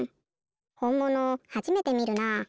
ほんものはじめてみるなあ。